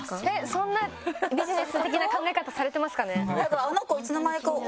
そんなビジネス的な考え方されてますかね？